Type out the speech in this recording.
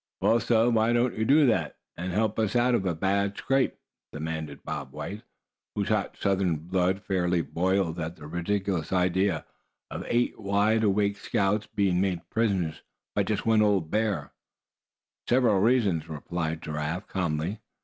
"Well, suh, why don't you do that, and help us out of a bad scrape?" demanded Bob White, whose hot Southern blood fairly boiled at the ridiculous idea of eight wide awake scouts being made prisoners, by just one old bear. "For several reasons," replied Giraffe, calmly.